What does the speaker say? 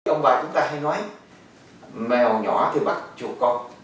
ông hải cũng đã hay nói mèo nhỏ thì bắt chùa con